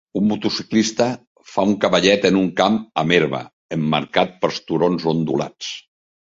Un motociclista fa un cavallet en un camp amb herba emmarcat per turons ondulats